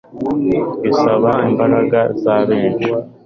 gisaba imbaraga za benshi